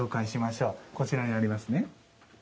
こちらになりますね。